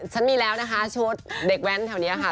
ฉันมีแล้วนะคะชุดเด็กแว้นแถวนี้ค่ะ